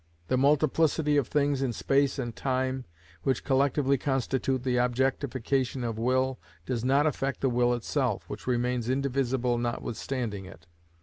The multiplicity of things in space and time, which collectively constitute the objectification of will, does not affect the will itself, which remains indivisible notwithstanding it.